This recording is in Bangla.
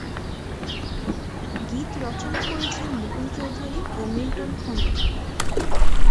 গীত রচনা করেছেন মুকুল চৌধুরী ও মিল্টন খন্দকার।